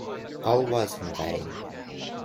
All was in vain.